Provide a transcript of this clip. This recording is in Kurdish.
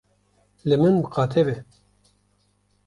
Li min miqate be.